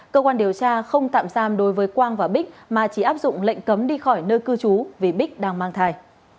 cơ quan điều tra không tạm giam đối với quang và bích mà chỉ áp dụng lệnh cấm đi khỏi nơi cư trú vì bích đang mang thai